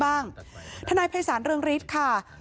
ทนายภัยศาลเรืองฤทธิ์ค่ะ